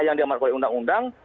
yang diamankan oleh undang undang